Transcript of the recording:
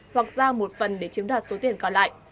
hoặc giao một phần để chiếm đoạt số tiền còn lại